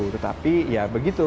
tetapi ya begitu